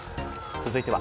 続いては。